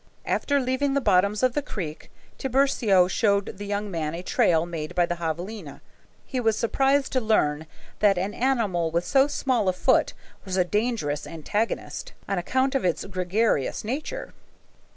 After leaving the bottoms of the creek, Tiburcio showed the young man a trail made by the javeline, and he was surprised to learn that an animal with so small a foot was a dangerous antagonist, on account of its gregarious nature.